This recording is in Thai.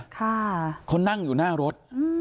เขานั่งอยู่หน้ารถ